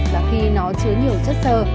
là khi nó chứa nhiều chất thơ